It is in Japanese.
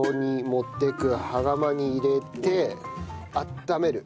羽釜に入れて温める。